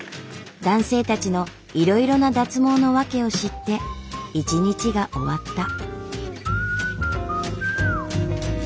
男性たちのいろいろな脱毛の訳を知って一日が終わった。